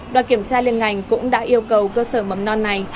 đoàn kiểm tra liên ngành cũng đã yêu cầu cơ sở mầm non này